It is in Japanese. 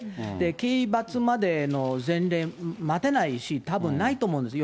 刑罰までの前例、待てないし、たぶん、ないと思うんです。